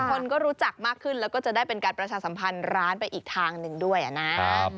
คนก็รู้จักมากขึ้นแล้วก็จะได้เป็นการประชาสัมพันธ์ร้านไปอีกทางหนึ่งด้วยนะ